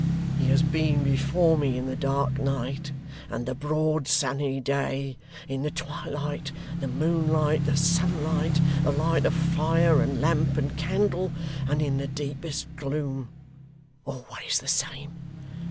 He has been before me in the dark night, and the broad sunny day; in the twilight, the moonlight, the sunlight, the light of fire, and lamp, and candle; and in the deepest gloom. Always the same!